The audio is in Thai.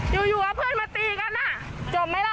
อยู่เอาเพื่อนมาตีกันจบไหมล่ะ